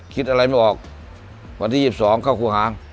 คิดอะไรไม่ออกวันที่๒๒เข้าครูหาง